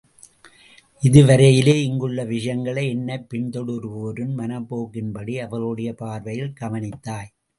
இதுவரையிலே இங்குள்ள விஷயங்களை என்னைப் பின்தொடருவோரின் மனப்போக்கின்படி அவர்களுடைய பார்வையில் கவனித்தாய்.